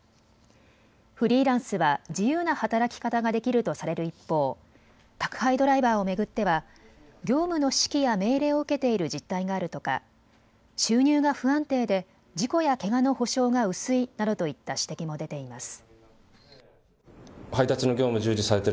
フリーランスは自由な働き方ができるとされる一方、宅配ドライバーを巡っては業務の指揮や命令を受けている実態があるとか収入が不安定で事故やけがの補償が薄いなどといった指摘も出ています。